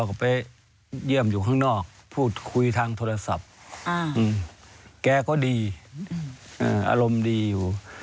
ก็ไปเยี่ยมอยู่ข้างนอกพูดคุยทางโทรศัพท์แกก็ดีอารมณ์ดีอยู่